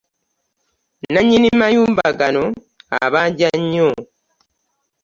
Nanyini mayumba gano abanja nyo!